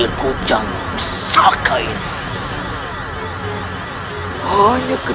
tidak ada apa apa